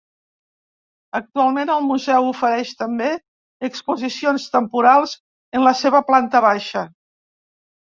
Actualment, el museu ofereix també exposicions temporals en la seva planta baixa.